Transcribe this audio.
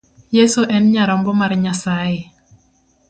Yeso en nyarombo mar Nyasaye.